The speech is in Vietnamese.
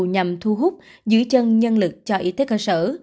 nhằm thu hút giữ chân nhân lực cho y tế cơ sở